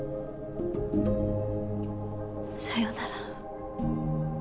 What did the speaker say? さようなら。